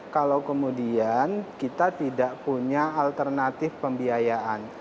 kalau kemudian kita tidak punya alternatif pembiayaan